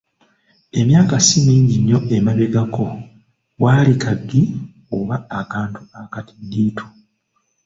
Emyaka si mingi nnyo emabegako wali kagi oba akantu akatiddiitu.